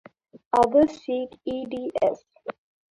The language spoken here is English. Others seek the Ed.S.